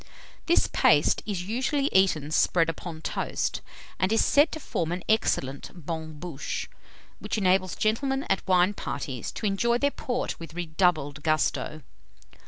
This paste is usually eaten spread upon toast, and is said to form an excellent bonne bouche, which enables gentlemen at wine parties to enjoy their port with redoubled gusto.